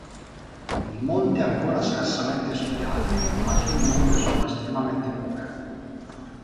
Il monte è ancora scarsamente studiato e le informazioni note sono estremamente poche.